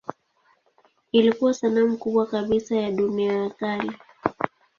Ilikuwa sanamu kubwa kabisa ya dunia ya kale.